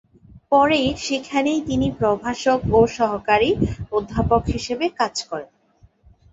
পরে সেখানেই তিনি প্রভাষক ও সহকারী অধ্যাপক হিসেবে কাজ করেন।